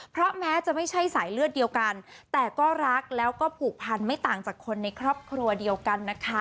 เพราะแม้จะไม่ใช่สายเลือดเดียวกันแต่ก็รักแล้วก็ผูกพันไม่ต่างจากคนในครอบครัวเดียวกันนะคะ